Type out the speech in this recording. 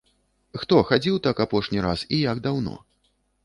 Хто хадзіў так апошні раз і як даўно?